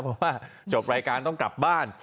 เพราะว่าจบรายการต้องกลับบ้าน